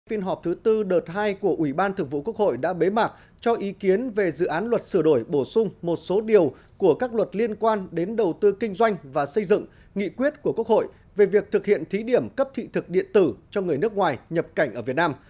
phiên họp thứ tư đợt hai của ủy ban thượng vụ quốc hội đã bế mạc cho ý kiến về dự án luật sửa đổi bổ sung một số điều của các luật liên quan đến đầu tư kinh doanh và xây dựng nghị quyết của quốc hội về việc thực hiện thí điểm cấp thị thực điện tử cho người nước ngoài nhập cảnh ở việt nam